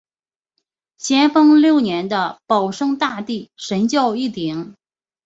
咸丰六年的保生大帝神轿一顶。